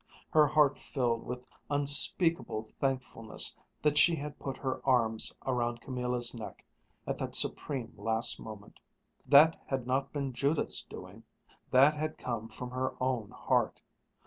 Her heart filled with unspeakable thankfulness that she had put her arms around Camilla's neck at that supreme last moment. That had not been Judith's doing. That had come from her own heart.